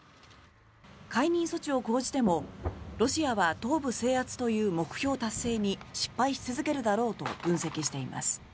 解任措置を講じてもロシアは東部制圧という目標達成に失敗し続けるだろうと分析しています。